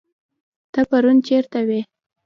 ته پرون چيرته وي